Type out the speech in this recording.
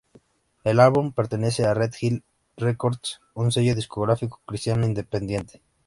El álbum pertenece a Red Hill Records, un sello discográfico cristiano independiente.